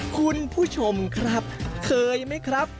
คุณผู้ชมครับเคยไหมครับ